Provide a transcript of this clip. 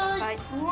うわ！